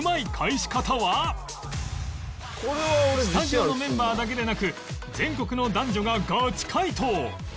スタジオのメンバーだけでなく全国の男女がガチ回答